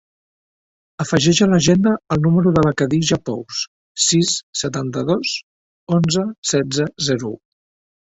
Afegeix a l'agenda el número de la Khadija Pous: sis, setanta-dos, onze, setze, zero, u.